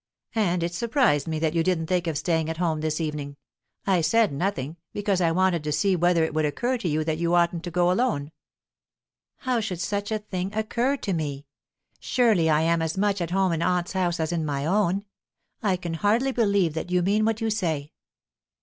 "And it surprised me that you didn't think of staying at home this evening. I said nothing, because I wanted to see whether it would occur to you that you oughtn't to go alone." "How should such a thing occur to me? Surely I am as much at home in aunt's house as in my own? I can hardly believe that you mean what you say."